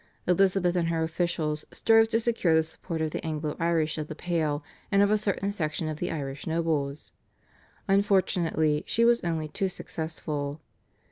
Elizabeth and her officials strove to secure the support of the Anglo Irish of the Pale and of a certain section of the Irish nobles. Unfortunately she was only too successful.